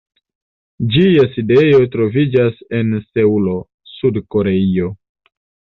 Ĝia sidejo troviĝas en Seulo, Sud-Koreio.